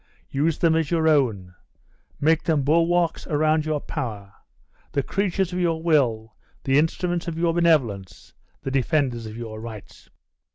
Use them as your own; make them bulwarks around your power, the creatures of your will, the instruments of your benevolence, the defenders of your rights."